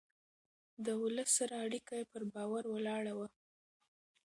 د ولس سره اړيکه يې پر باور ولاړه وه.